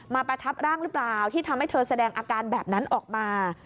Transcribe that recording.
ประทับร่างหรือเปล่าที่ทำให้เธอแสดงอาการแบบนั้นออกมา